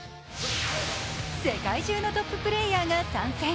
世界中のトッププレーヤーが参戦。